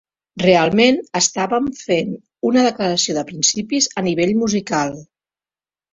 Realment estàvem fent una declaració de principis a nivell musical.